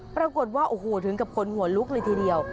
ปรากฏว่าโอ้โหถึงกับคนหัวลุกเลยทีเดียว